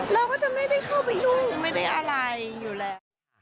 เราก็จะไม่ได้เข้าไปยุ่งไม่ได้อะไรอยู่แล้ว